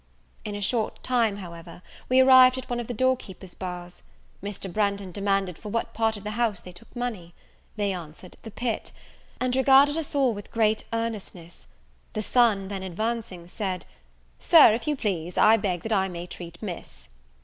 In a short time, however, we arrived at one of the door keeper's bars. Mr. Branghton demanded for what part of the house they took money? They answered, the pit; and regarded us all with great earnestness. The son then advancing, said "Sir, if you please, I beg that I may treat Miss."